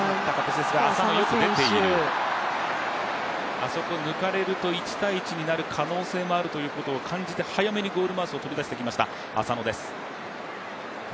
あそこ抜かれると１対１になる可能性もあるということで早めにゴールマウスを飛び出してきました浅野です。